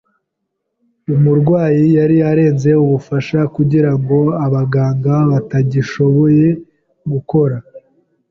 Umurwayi yari arenze ubufasha, kugirango abaganga batagishoboye gukora.